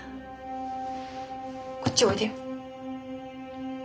こっちおいでよ。